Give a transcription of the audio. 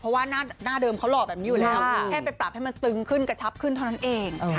เพราะว่าหน้าเดิมเขาหล่อแบบนี้อยู่แล้วแค่ไปปรับให้มันตึงขึ้นกระชับขึ้นเท่านั้นเอง